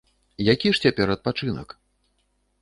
Які ж цяпер адпачынак?